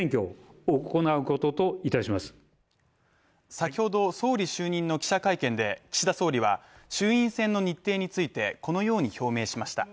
先ほど総理就任の記者会見で岸田総理は衆院選のについて、このように表明しました。